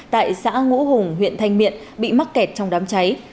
tại xã ngũ hùng huyện thanh miện bị mắc kẹt trong đám cháy